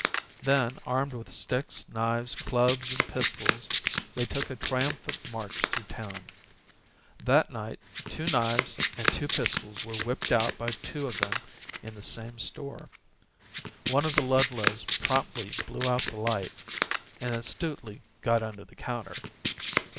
Then, armed with sticks, knives, clubs and pistols, they took a triumphant march through town. That night two knives and two pistols were whipped out by two of them in the same store. One of the Ludlows promptly blew out the light and astutely got under the counter.